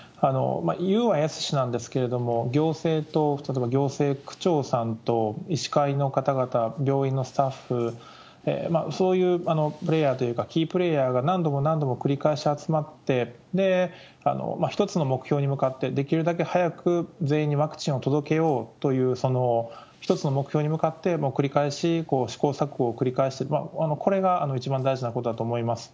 言うは易しなんですけれども、行政と、例えば行政区長さんと医師会の方々、病院のスタッフ、そういうプレーヤーというか、キープレーヤーが何度も何度も繰り返し集まって、一つの目標に向かって、できるだけ早く全員にワクチンを届けようという、その一つの目標に向かって繰り返し、試行錯誤を繰り返して、これが一番大事なことだと思います。